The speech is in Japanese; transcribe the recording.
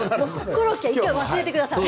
コロッケを１回忘れてください。